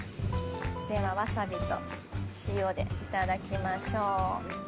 わさびと塩でいただきましょう。